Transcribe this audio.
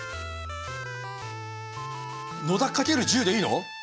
野田掛ける１０でいいの！？